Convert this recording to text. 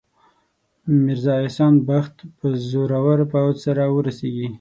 میرزا احسان بخت به زورور پوځ سره ورسیږي.